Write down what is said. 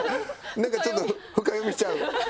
なんかちょっと深読みしちゃう？